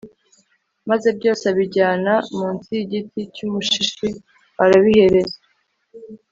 maze byose abijyana mu nsi y'igiti cy'umushishi, arabihereza